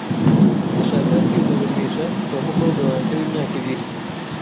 Ndashaka kwisuzumisha kwa mukobwa wanjye w'imyaka ibiri .